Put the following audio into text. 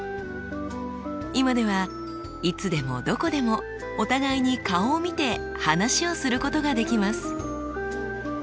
今ではいつでもどこでもお互いに顔を見て話をすることができます。